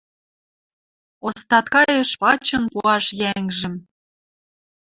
Остаткаэш пачын пуаш йӓнгжӹм